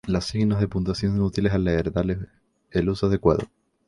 Los signos de puntuación son útiles al leer, dales el uso adecuado